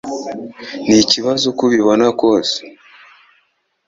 Ni ikibazo uko ubibona kose